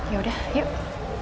ya udah deh aku mau tidur dulu deh